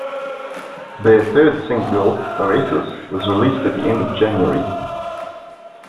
Their third single, "Oasis", was released at the end of January.